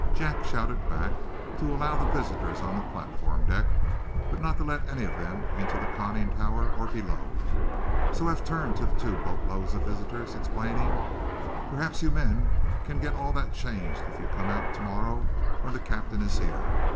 Jack shouted back to allow the visitors on the platform deck, but not to let any of them into the conning tower, or below. So Eph turned to the two boatloads of visitors, explaining: "Perhaps you men can get that all changed if you come out to morrow, when the captain is here.